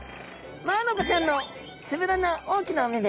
マアナゴちゃんのつぶらな大きなお目々。